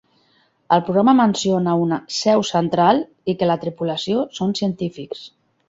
El programa menciona una "seu central" i que la tripulació són científics.